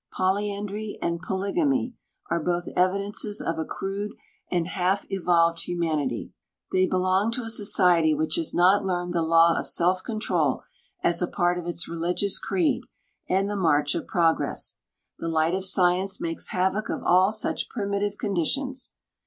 Polyandry and polygamy are both evidences of a crude and half evolved humanity. They belong to a society which has not learned the law of self control as a part of its religious creed and the march of progress. The light of science makes havoc of all such primitive conditions.